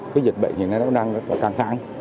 cái dịch bệnh hiện nay nó đang rất là căng thẳng